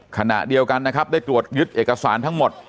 ขณะเดียวกันนะครับได้ตรวจยึดเอกสารทั้งหมด